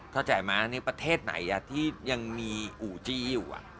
ข้าจ่ายมาแล้วประเทศไหนที่ยังมีอู่จี้อยู่